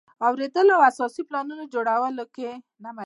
اوریدلو او اساسي پلانونو د جوړولو کې.